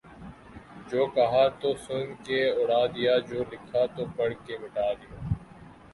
جو کہا تو سن کے اڑا دیا جو لکھا تو پڑھ کے مٹا دیا